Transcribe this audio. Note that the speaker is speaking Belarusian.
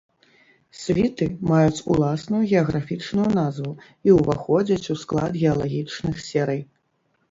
Світы маюць уласную геаграфічную назву і ўваходзяць у склад геалагічных серый.